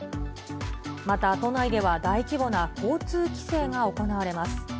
また、都内では大規模な交通規制が行われます。